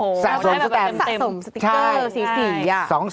สะสมสติ๊กเกอร์๔สีอ่ะ